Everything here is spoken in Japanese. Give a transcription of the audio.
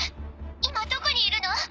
今どこにいるの？